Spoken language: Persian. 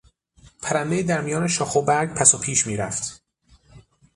پرندهای در میان شاخ و برگ پس و پیش میرفت.